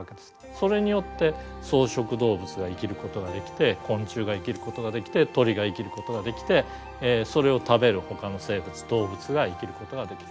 それによって草食動物が生きることができて昆虫が生きることができて鳥が生きることができてそれを食べるほかの生物動物が生きることができる。